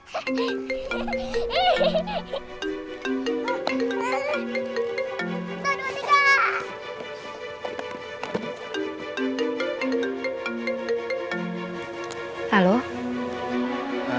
satu dua tiga